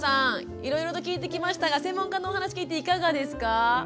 いろいろと聞いてきましたが専門家のお話聞いていかがですか？